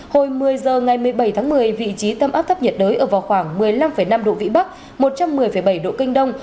hồi một mươi h ngày một mươi bảy tháng một mươi vị trí tâm áp thấp nhiệt đới ở vào khoảng một mươi năm năm độ vĩ bắc một trăm một mươi bảy độ kinh đông